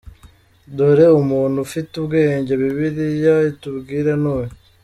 Dore umuntu ufite ubwenge bibiliya itubwira ni uyu:.